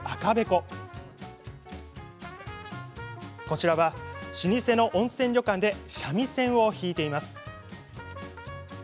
こちらは老舗の温泉旅館で三味線を弾いています。